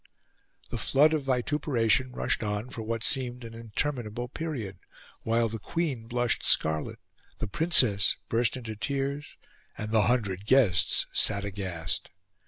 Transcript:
The flood of vituperation rushed on for what seemed an interminable period, while the Queen blushed scarlet, the Princess burst into tears, and the hundred guests sat aghast.